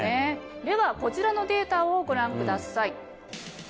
ではこちらのデータをご覧ください。